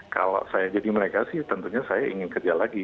kalau saya jadi mereka sih tentunya saya ingin kerja lagi